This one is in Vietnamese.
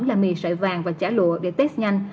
là mì sợi vàng và chả lụa để test nhanh